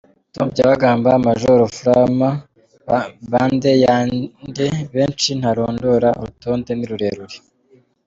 Tom Byabagamba Major Furuma bande yande benshi ntarondora urutonde ni rurerure!